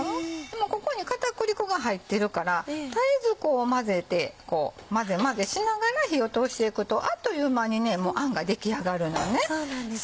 ここに片栗粉が入ってるから絶えずこう混ぜて混ぜ混ぜしながら火を通していくとあっという間にあんが出来上がるのね。